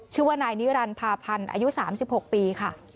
ชื่อว่านายนิรันดิพาพันธ์อายุ๓๖ปีค่ะ